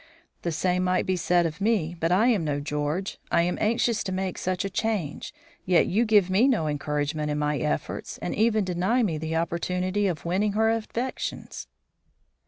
"The same might be said of me; but I am no George. I am anxious to make such a change. Yet you give me no encouragement in my efforts, and even deny me the opportunity of winning her affections."